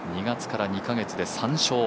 ２月から２カ月で３勝。